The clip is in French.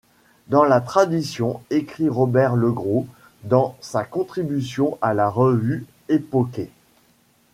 Dans la tradition écrit Robert Legros dans sa contribution à la revue Épokhé.